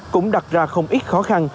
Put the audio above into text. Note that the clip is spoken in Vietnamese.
cũng đặt ra không ít khó khăn